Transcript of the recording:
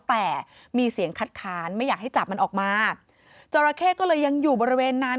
แต่มีเสียงคัดค้านไม่อยากให้จับมันออกมาจอราเข้ก็เลยยังอยู่บริเวณนั้น